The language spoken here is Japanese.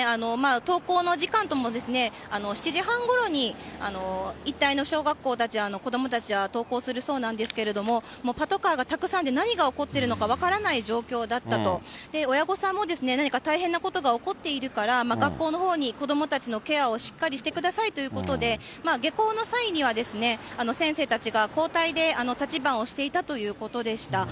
登校の時間とも７時半ごろに一帯の小学校たち、子どもたちは登校するそうなんですけれども、パトカーがたくさんで何が起こってるのか分からない状況だったと、親御さんも、何か大変なことが起こっているから、学校のほうに子どもたちのケアをしっかりしてくださいということで、下校の際には、先生たちが交代で立ち番をしていたということでした。